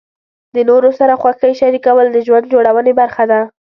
د نورو سره خوښۍ شریکول د ژوند جوړونې برخه ده.